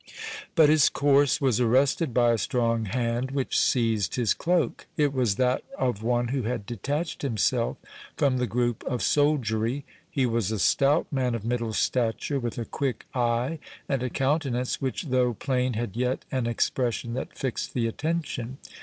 But his course was arrested by a strong hand, which seized his cloak. It was that of one who had detached himself from the group of soldiery. He was a stout man of middle stature, with a quick eye, and a countenance, which, though plain, had yet an expression that fixed the attention.